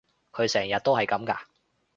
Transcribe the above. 佢成日都係噉㗎？